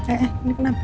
eh ini kenapa